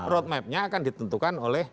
road mapnya akan ditentukan oleh